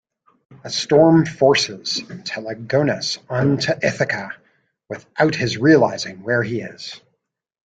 A storm forces Telegonus onto Ithaca without his realising where he is.